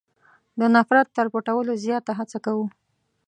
د نفرت تر پټولو زیاته هڅه کوو.